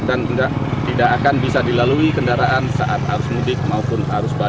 dan tidak akan bisa dilalui kendaraan saat arus mudik maupun